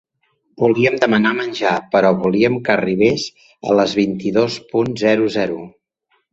Volíem demanar menjar, però volíem que arribes a les vint-i-dos punt zero zero.